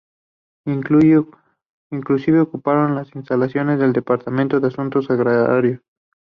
Inclusive, ocuparon las instalaciones del Departamento de Asuntos Agrarios.